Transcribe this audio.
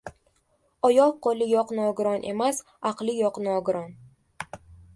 • Oyoq-qo‘li yo‘q nogiron emas, aqli yo‘q — nogiron.